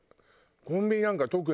コンビニなんか特に。